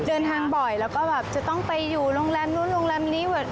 เดินทางบ่อยแล้วก็แบบจะต้องไปอยู่โรงแรมนู้นโรงแรมนี้แบบ